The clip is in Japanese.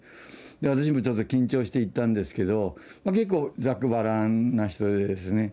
私もちょっと緊張していたんですけど結構ざっくばらんな人ですね。